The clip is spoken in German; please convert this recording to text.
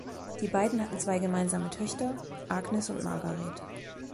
Die beiden hatten zwei gemeinsame Töchter, Agnes und Margaret.